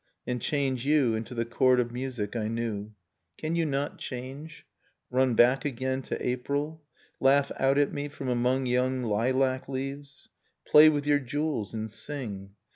And change you into the chord of music I knew. Can you not change? ... Run back again to April? Laugh out at me from among young lilac leaves ?... Play with your jewels, and sing!